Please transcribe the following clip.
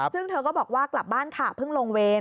ซึ่งเธอก็บอกว่ากลับบ้านค่ะเพิ่งลงเวร